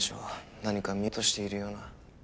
何か見落としているような。